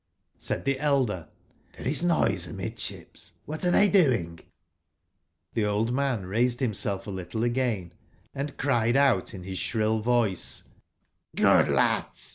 Said the elder :'Xhere is noise amidships, what are they doing ?''j!? 'Cbc old man raised himself a little again, and cried out 58 in bis sbriU voice: ''Good lads!